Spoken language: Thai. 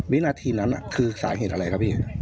วินาทีนั้นคือสาเหตุอะไรครับพี่